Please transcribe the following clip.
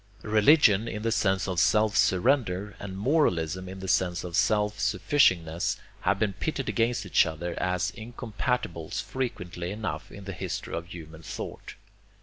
Religion in the sense of self surrender, and moralism in the sense of self sufficingness, have been pitted against each other as incompatibles frequently enough in the history of human thought.